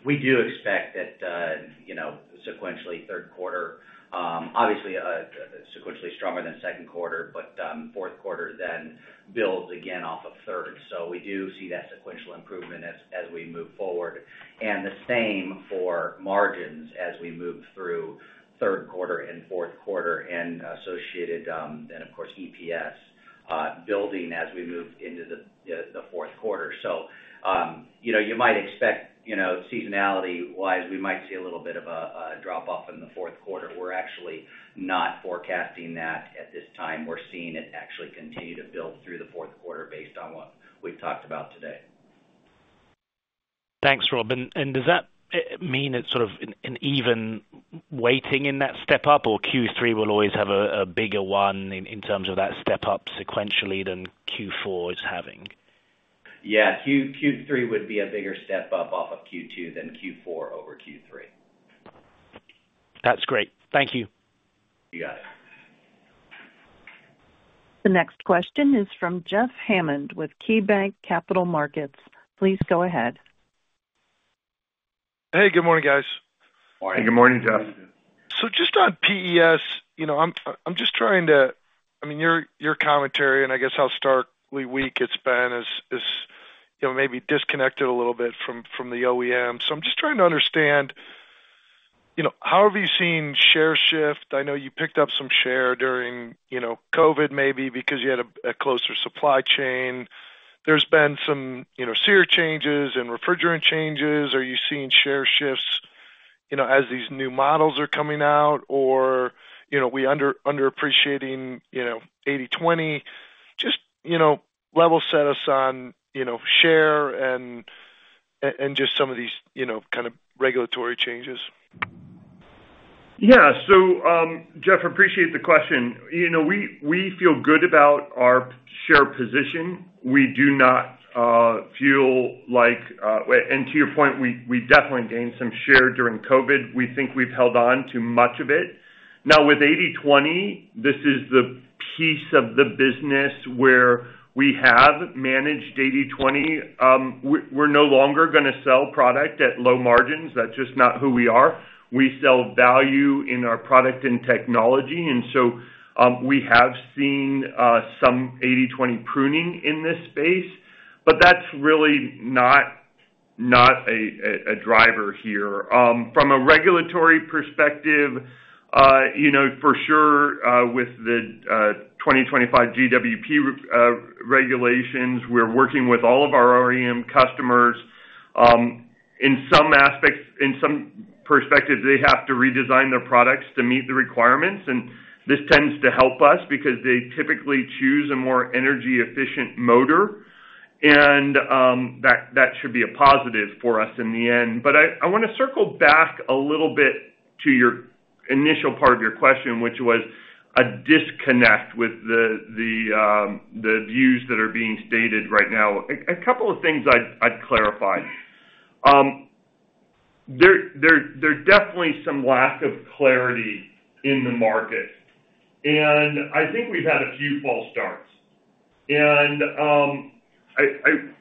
[SPEAKER 4] We do expect that, you know, sequentially, third quarter, obviously, sequentially stronger than second quarter, but, fourth quarter then builds again off of third. So we do see that sequential improvement as we move forward. And the same for margins as we move through third quarter and fourth quarter and associated, and of course, EPS, building as we move into the fourth quarter. So, you know, you might expect, you know, seasonality-wise, we might see a little bit of a drop-off in the fourth quarter. We're actually not forecasting that at this time. We're seeing it actually continue to build through the fourth quarter based on what we've talked about today.
[SPEAKER 6] Thanks, Rob. And does that mean it's sort of an even weighting in that step up, or Q3 will always have a bigger one in terms of that step up sequentially than Q4 is having?
[SPEAKER 4] Yeah, Q3 would be a bigger step up off of Q2 than Q4 over Q3.
[SPEAKER 6] That's great. Thank you.
[SPEAKER 4] You got it.
[SPEAKER 1] The next question is from Jeff Hammond with KeyBanc Capital Markets. Please go ahead.
[SPEAKER 7] Hey, good morning, guys.
[SPEAKER 3] Good morning.
[SPEAKER 4] Good morning, Jeff.
[SPEAKER 7] So just on PES, you know, I'm just trying to—I mean, your commentary and I guess how starkly weak it's been is, you know, maybe disconnected a little bit from the OEM. So I'm just trying to understand, you know, how have you seen share shift? I know you picked up some share during, you know, COVID, maybe because you had a closer supply chain. There's been some, you know, SEER changes and refrigerant changes. Are you seeing share shifts, you know, as these new models are coming out, or, you know, we underappreciating, you know, 80/20? Just, you know, level set us on, you know, share and just some of these, you know, kind of regulatory changes.
[SPEAKER 3] Yeah. So, Jeff, appreciate the question. You know, we feel good about our share position. We do not feel like... and to your point, we definitely gained some share during COVID. We think we've held on to much of it. Now, with 80/20, this is the piece of the business where we have managed 80/20. We're no longer gonna sell product at low margins. That's just not who we are. We sell value in our product and technology, and so, we have seen some 80/20 pruning in this space, but that's really not a driver here. From a regulatory perspective, you know, for sure, with the 2025 GWP regulations, we're working with all of our OEM customers. In some aspects, in some perspectives, they have to redesign their products to meet the requirements, and this tends to help us because they typically choose a more energy-efficient motor. And that should be a positive for us in the end. But I wanna circle back a little bit to your initial part of your question, which was a disconnect with the views that are being stated right now. A couple of things I'd clarify. There definitely some lack of clarity in the market, and I think we've had a few false starts. And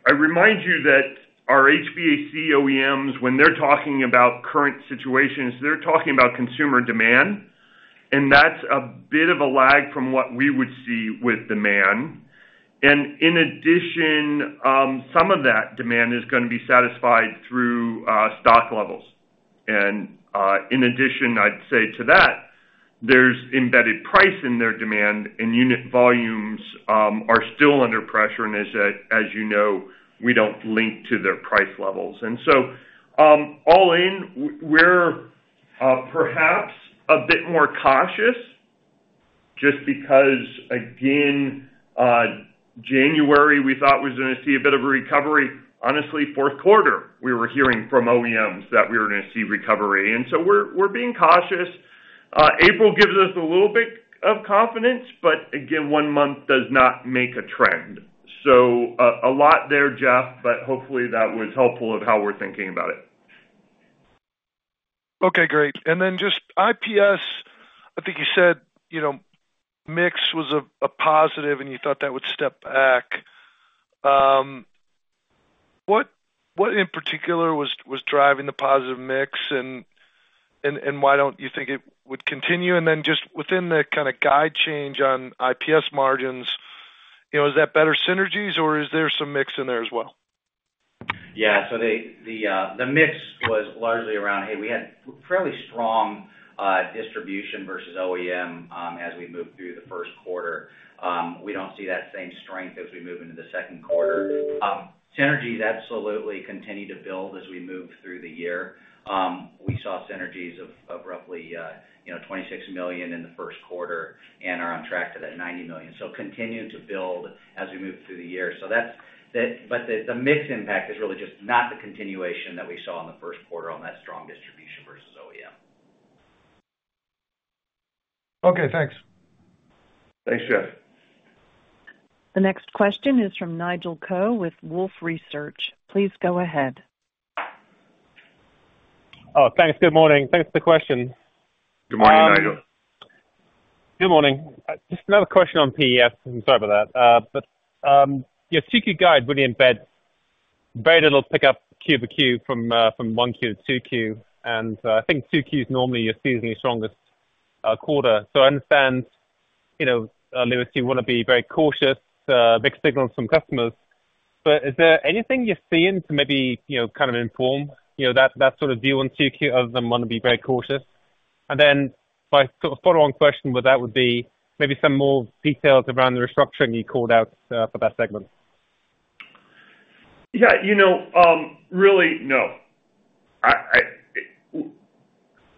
[SPEAKER 3] I remind you that our HVAC OEMs, when they're talking about current situations, they're talking about consumer demand, and that's a bit of a lag from what we would see with demand. And in addition, some of that demand is gonna be satisfied through stock levels. And in addition, I'd say to that, there's embedded price in their demand, and unit volumes are still under pressure, and as you know, we don't link to their price levels. And so, all in, we're perhaps a bit more cautious just because, again, January, we thought was going to see a bit of a recovery. Honestly, fourth quarter, we were hearing from OEMs that we were going to see recovery, and so we're being cautious. April gives us a little bit of confidence, but again, one month does not make a trend. So, a lot there, Jeff, but hopefully that was helpful of how we're thinking about it.
[SPEAKER 7] Okay, great. And then just IPS, I think you said, you know, mix was a positive, and you thought that would step back. What in particular was driving the positive mix and why don't you think it would continue? And then just within the kind of guide change on IPS margins, you know, is that better synergies or is there some mix in there as well?
[SPEAKER 4] Yeah. So the mix was largely around, hey, we had fairly strong distribution versus OEM as we moved through the first quarter. We don't see that same strength as we move into the second quarter. Synergies absolutely continue to build as we move through the year. We saw synergies of roughly, you know, $26 million in the first quarter and are on track to that $90 million. So continuing to build as we move through the year. So that's—that, but the mix impact is really just not the continuation that we saw in the first quarter on that strong distribution versus OEM.
[SPEAKER 7] Okay, thanks.
[SPEAKER 3] Thanks, Jeff.
[SPEAKER 1] The next question is from Nigel Coe with Wolfe Research. Please go ahead.
[SPEAKER 8] Oh, thanks. Good morning. Thanks for the question.
[SPEAKER 3] Good morning, Nigel.
[SPEAKER 8] Good morning. Just another question on PES. I'm sorry about that. But your 2Q guide really embeds very little pickup Q-over-Q from 1Q to 2Q. And I think 2Q is normally your seasonally strongest quarter. So I understand, you know, Louis, you want to be very cautious, mixed signal from customers, but is there anything you're seeing to maybe, you know, kind of inform, you know, that, that sort of view on 2Q, other than want to be very cautious? And then my sort of follow-on question with that would be maybe some more details around the restructuring you called out for that segment.
[SPEAKER 3] Yeah, you know, really, no.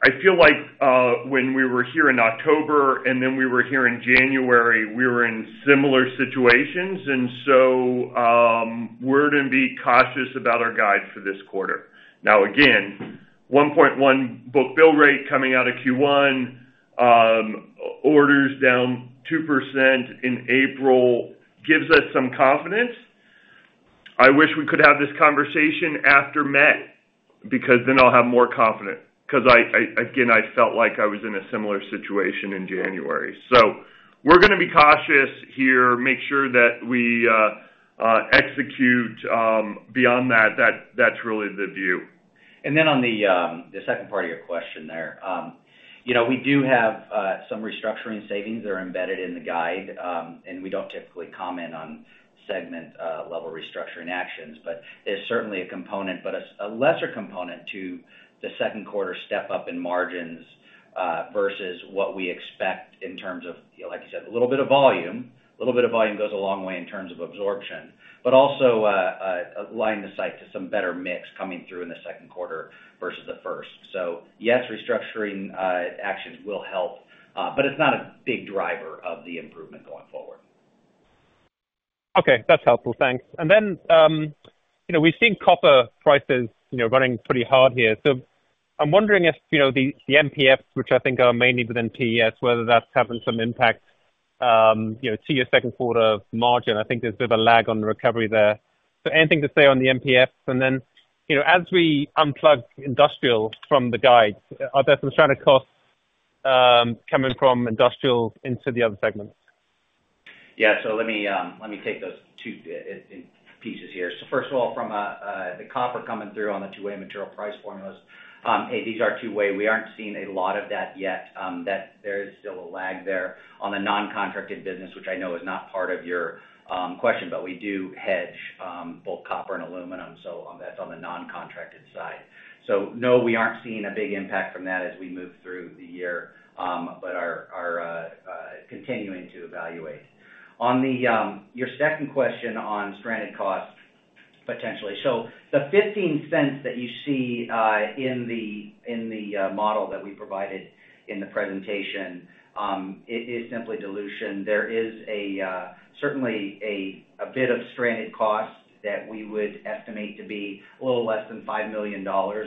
[SPEAKER 3] I feel like when we were here in October, and then we were here in January, we were in similar situations, and so we're going to be cautious about our guide for this quarter. Now, again, 1.1 book-to-bill rate coming out of Q1, orders down 2% in April gives us some confidence. I wish we could have this conversation after May, because then I'll have more confidence, 'cause again, I felt like I was in a similar situation in January. So we're gonna be cautious here, make sure that we execute, beyond that, that's really the view.
[SPEAKER 4] Then on the second part of your question there. You know, we do have some restructuring savings that are embedded in the guide, and we don't typically comment on segment level restructuring actions, but there's certainly a component, but a lesser component to the second quarter step up in margins, versus what we expect in terms of, you know, like you said, a little bit of volume. A little bit of volume goes a long way in terms of absorption, but also line of sight to some better mix coming through in the second quarter versus the first. So yes, restructuring actions will help, but it's not a big driver of the improvement going forward.
[SPEAKER 8] Okay, that's helpful. Thanks. And then, you know, we've seen copper prices, you know, running pretty hard here. So I'm wondering if, you know, the MPF, which I think are mainly within PES, whether that's having some impact, you know, to your second quarter margin. I think there's a bit of a lag on the recovery there. So anything to say on the MPFs? And then, you know, as we unplug Industrial from the guide, are there some stranded costs, coming from Industrial into the other segments?
[SPEAKER 4] Yeah. So let me take those two pieces here. So first of all, from the copper coming through on the two-way material price formulas, hey, these are two-way. We aren't seeing a lot of that yet, that there is still a lag there on the non-contracted business, which I know is not part of your question, but we do hedge both copper and aluminum, so on-- that's on the non-contracted side. So no, we aren't seeing a big impact from that as we move through the year, but are continuing to evaluate. On your second question on stranded costs, potentially. So the $0.15 that you see in the model that we provided in the presentation, it is simply dilution. There is certainly a bit of stranded costs that we would estimate to be a little less than $5 million,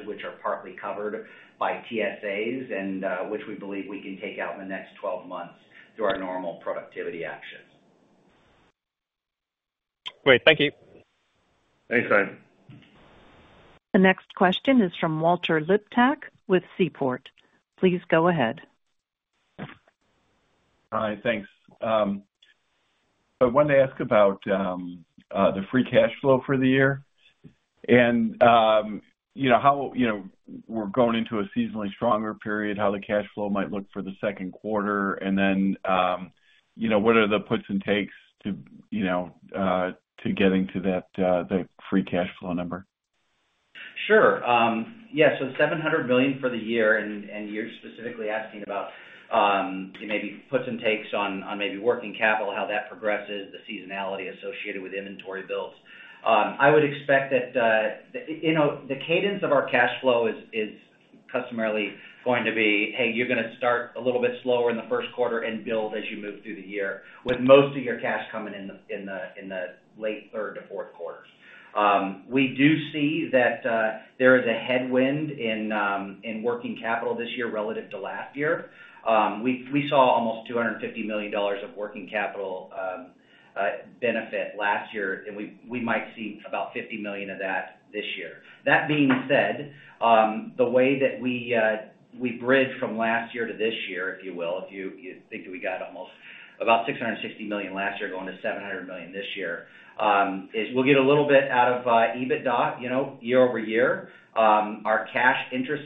[SPEAKER 4] which are partly covered by TSAs, and which we believe we can take out in the next 12 months through our normal productivity actions.
[SPEAKER 8] Great. Thank you.
[SPEAKER 3] Thanks, Nigel.
[SPEAKER 1] The next question is from Walter Liptak with Seaport. Please go ahead.
[SPEAKER 9] Hi, thanks. I wanted to ask about the free cash flow for the year, and, you know, how, you know, we're going into a seasonally stronger period, how the cash flow might look for the second quarter, and then, you know, what are the puts and takes to, you know, to getting to that, the free cash flow number?
[SPEAKER 4] Sure. Yeah, so $700 million for the year, and you're specifically asking about maybe puts and takes on maybe working capital, how that progresses, the seasonality associated with inventory builds. I would expect that, you know, the cadence of our cash flow is customarily going to be, hey, you're gonna start a little bit slower in the first quarter and build as you move through the year, with most of your cash coming in the late third to fourth quarters. We do see that there is a headwind in working capital this year relative to last year. We saw almost $250 million of working capital benefit last year, and we might see about $50 million of that this year. That being said, the way that we bridge from last year to this year, if you will, if you think we got almost about $660 million last year, going to $700 million this year, is we'll get a little bit out of EBITDA, you know, year-over-year. Our cash interest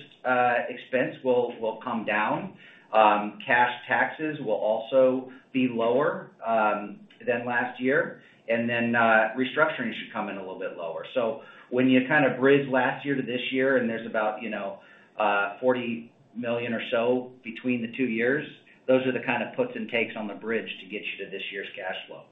[SPEAKER 4] expense will come down. Cash taxes will also be lower than last year. And then, restructuring should come in a little bit lower. So when you kind of bridge last year to this year, and there's about, you know, $40 million or so between the two years, those are the kind of puts and takes on the bridge to get you to this year's cash flow.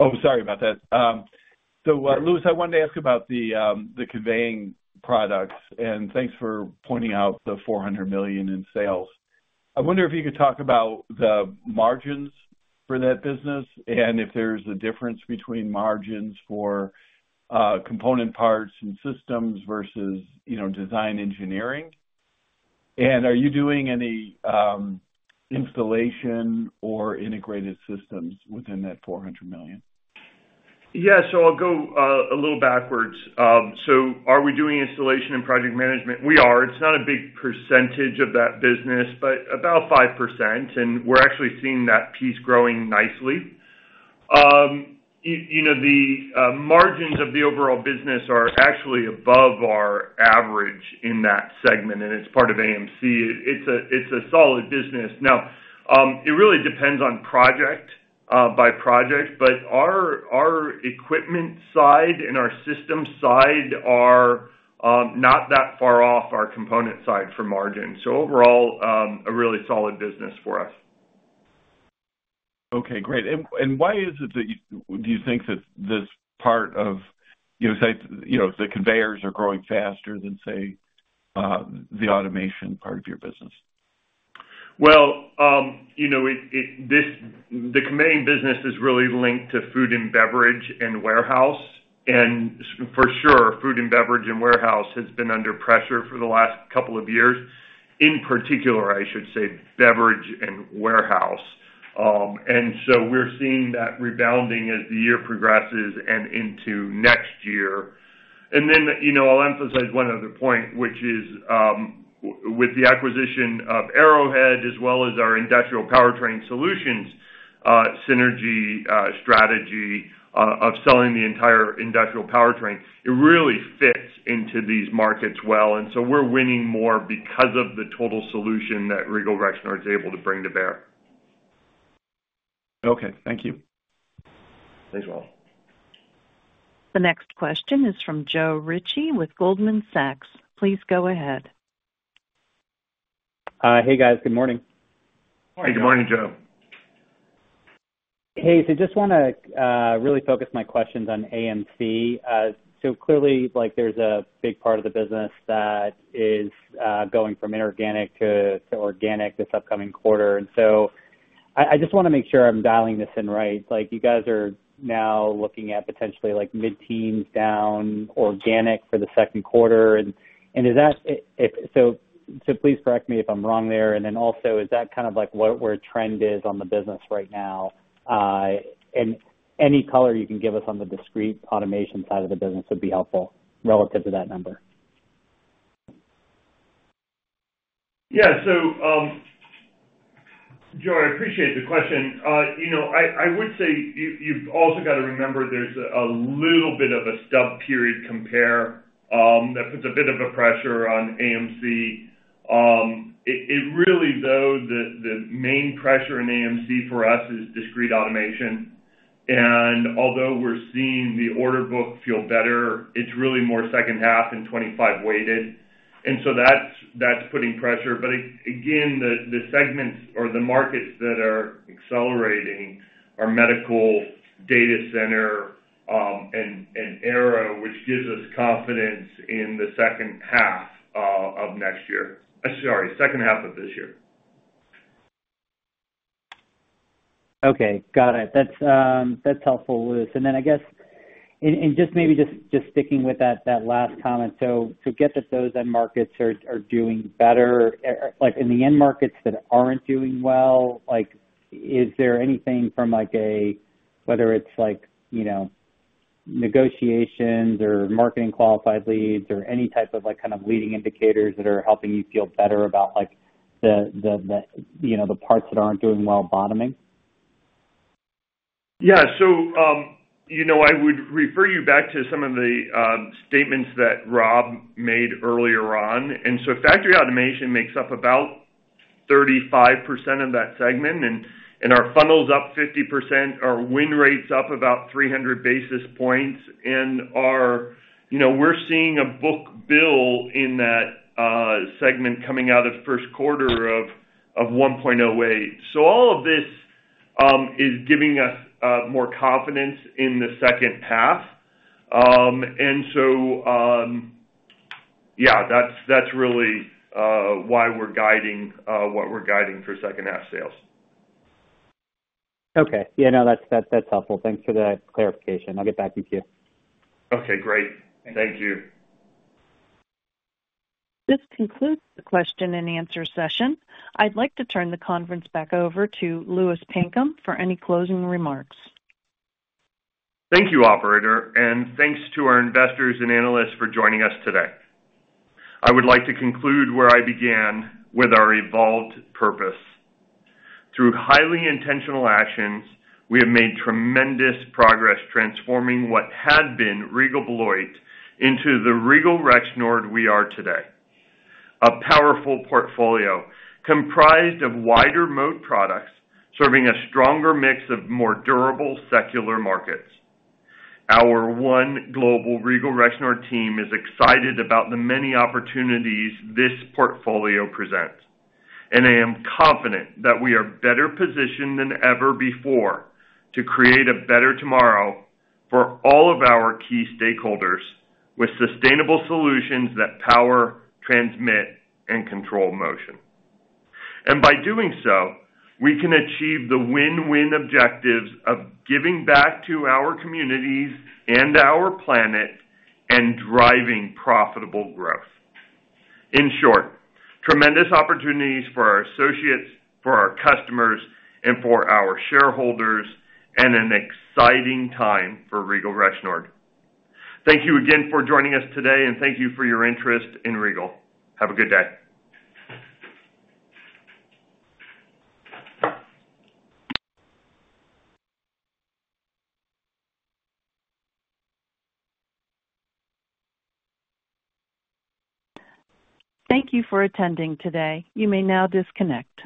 [SPEAKER 9] Oh, sorry about that. So, Louis, I wanted to ask about the conveying products, and thanks for pointing out the $400 million in sales. I wonder if you could talk about the margins for that business, and if there's a difference between margins for component parts and systems versus, you know, design engineering. And are you doing any installation or integrated systems within that $400 million?
[SPEAKER 3] Yeah. So I'll go a little backwards. So are we doing installation and project management? We are. It's not a big percentage of that business, but about 5%, and we're actually seeing that piece growing nicely. You know, the margins of the overall business are actually above our average in that segment, and it's part of AMC. It's a solid business. Now, it really depends on project by project, but our equipment side and our systems side are not that far off our component side for margin. So overall, a really solid business for us.
[SPEAKER 9] Okay, great. And why is it that you, do you think that this part of, you know, say, you know, the conveyors are growing faster than, say, the automation part of your business?
[SPEAKER 3] Well, you know, this, the conveying business is really linked to food and beverage and warehouse, and, for sure, food and beverage and warehouse has been under pressure for the last couple of years, in particular, I should say, beverage and warehouse. And so we're seeing that rebounding as the year progresses and into next year. And then, you know, I'll emphasize one other point, which is, with the acquisition of Arrowhead, as well as our Industrial Powertrain Solutions synergy strategy of selling the entire Industrial powertrain, it really fits into these markets well, and so we're winning more because of the total solution that Regal Rexnord is able to bring to bear.
[SPEAKER 9] Okay, thank you.
[SPEAKER 3] Thanks, Walt.
[SPEAKER 1] The next question is from Joe Ritchie with Goldman Sachs. Please go ahead.
[SPEAKER 10] Hey, guys. Good morning.
[SPEAKER 3] Hey, good morning, Joe.
[SPEAKER 10] Hey, so just wanna really focus my questions on AMC. So clearly, like, there's a big part of the business that is going from inorganic to organic this upcoming quarter. And so I just wanna make sure I'm dialing this in right. Like, you guys are now looking at potentially like mid-teens down organic for the second quarter. And is that? So please correct me if I'm wrong there. And then also, is that kind of like what the trend is on the business right now? And any color you can give us on the discrete automation side of the business would be helpful relative to that number.
[SPEAKER 3] Yeah. So, Joe, I appreciate the question. You know, I would say you've also got to remember there's a little bit of a stub period compare that puts a bit of a pressure on AMC. It really though, the main pressure in AMC for us is discrete automation. And although we're seeing the order book feel better, it's really more second half and 2025 weighted, and so that's putting pressure. But again, the segments or the markets that are accelerating are medical, data center, and Aero, which gives us confidence in the second half of next year. Sorry, second half of this year.
[SPEAKER 10] Okay, got it. That's helpful, Louis. And then I guess... And just maybe just sticking with that last comment, so to get that those end markets are doing better, like in the end markets that aren't doing well, like, is there anything from like a, whether it's like, you know, negotiations or marketing qualified leads or any type of like, kind of leading indicators that are helping you feel better about like, the, you know, the parts that aren't doing well bottoming?
[SPEAKER 3] Yeah. So, you know, I would refer you back to some of the statements that Rob made earlier on. So factory automation makes up about 35% of that segment, and our funnel's up 50%, our win rate's up about three hundred basis points, and our... You know, we're seeing a book-to-bill in that segment coming out of first quarter of one point zero eight. So all of this-... is giving us more confidence in the second half. And so, yeah, that's really why we're guiding what we're guiding for second half sales.
[SPEAKER 10] Okay. Yeah, no, that's, that's, that's helpful. Thanks for that clarification. I'll get back with you.
[SPEAKER 3] Okay, great. Thank you.
[SPEAKER 1] This concludes the question and answer session. I'd like to turn the conference back over to Louis Pinkham for any closing remarks.
[SPEAKER 3] Thank you, operator, and thanks to our investors and analysts for joining us today. I would like to conclude where I began with our evolved purpose. Through highly intentional actions, we have made tremendous progress transforming what had been Regal Beloit into the Regal Rexnord we are today. A powerful portfolio comprised of wider moat products, serving a stronger mix of more durable, secular markets. Our one global Regal Rexnord team is excited about the many opportunities this portfolio presents, and I am confident that we are better positioned than ever before to create a better tomorrow for all of our key stakeholders, with sustainable solutions that power, transmit, and control motion. By doing so, we can achieve the win-win objectives of giving back to our communities and our planet and driving profitable growth. In short, tremendous opportunities for our associates, for our customers, and for our shareholders, and an exciting time for Regal Rexnord. Thank you again for joining us today, and thank you for your interest in Regal. Have a good day.
[SPEAKER 1] Thank you for attending today. You may now disconnect.